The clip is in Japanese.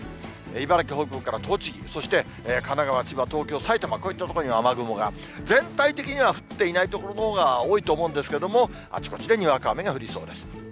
茨城北部から栃木、そして神奈川、千葉、東京、埼玉、こういった所に雨雲が、全体的には降っていない所のほうが多いと思うんですけども、あちこちでにわか雨が降りそうです。